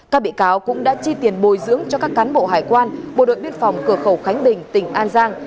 các bị cáo cũng đã chi tiền bồi dưỡng cho các cán bộ hải quan bộ đội biên phòng cửa khẩu khánh bình tỉnh an giang